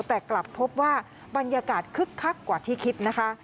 แต่กลับพบว่าบรรยากาศคึกคักกว่าที่คิดนะคะ